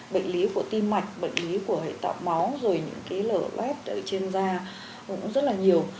bệnh lý tiên mạch bệnh lý của hệ tạo máu rồi những cái lở vét trên da cũng rất là nhiều